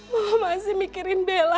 mama masih mikirin bella